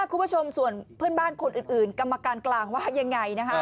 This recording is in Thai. คุณผู้ชมส่วนเพื่อนบ้านคนอื่นกรรมการกลางว่ายังไงนะคะ